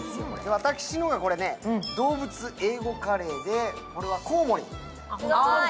私のがどうぶつ英語カレーで、これはコウモリ。